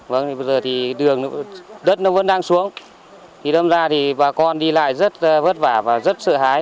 bây giờ đất vẫn đang xuống bà con đi lại rất vất vả và rất sợ hái